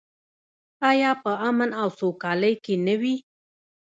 آیا په امن او سوکالۍ کې نه وي؟